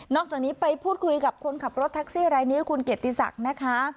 จากนี้ไปพูดคุยกับคนขับรถแท็กซี่รายนี้คุณเกียรติศักดิ์นะคะ